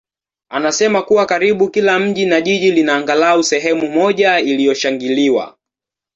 anasema kuwa karibu kila mji na jiji lina angalau sehemu moja iliyoshangiliwa.